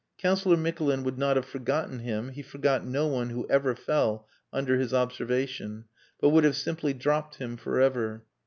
Councillor Mikulin would not have forgotten him (he forgot no one who ever fell under his observation), but would have simply dropped him for ever.